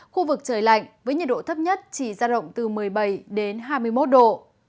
khu vực trời lạnh với nhiệt độ thấp nhất chỉ ra động từ một mươi bảy đến hai mươi một độ